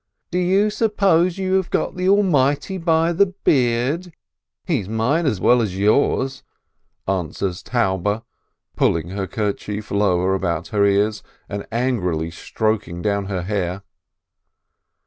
"Do you suppose you have got the Almighty by the beard? He is mine as well as yours!" answers Taube, pulling her kerchief lower about her ears, and angrily stroking down her hair.